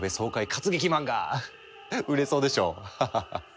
活劇漫画売れそうでしょ？ハハハ。